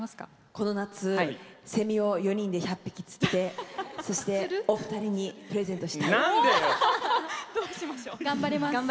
この夏セミを４人で１００匹釣ってそしてお二人にプレゼントしたい。